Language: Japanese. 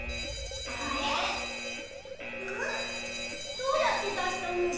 どうやってだしたのだ？